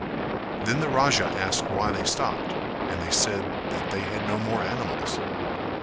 Then the Raja asked why they stopped and they said that they had no more animals.